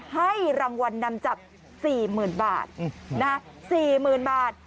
ให้รางวัลนำจับ๔๐๐๐บาท๔๐๐๐บาท